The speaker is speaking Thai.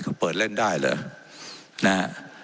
ว่าการกระทรวงบาทไทยนะครับ